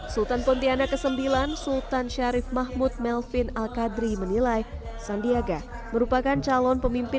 sultan pontianak ix sultan syarif mahmud melvin al qadri menilai sandiaga merupakan calon pemimpin